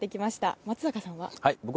松坂さんは？